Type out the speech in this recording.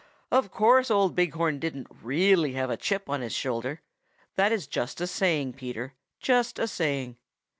Of course old Big Horn didn't really have a chip on his shoulder. That is just a saying, Peter, just a saying.